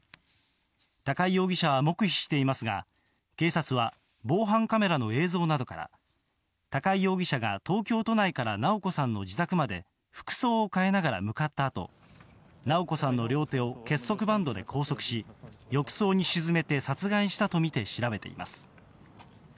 高井容疑者は黙秘していますが、警察は、防犯カメラの映像などから、高井容疑者が東京都内から直子さんの自宅まで、服装を変えながら向かったあと、直子さんの両手を結束バンドで拘束し、浴槽に沈めて殺害したと見て調べています。